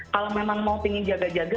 kalau memang mau pingin jaga jaga